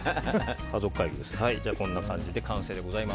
こんな感じで完成でございます。